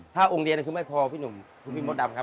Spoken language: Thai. ถ้าองค์เดียนก็ไม่พอพี่หนุ่มพี่พพิมพ์บิ่นดำครับ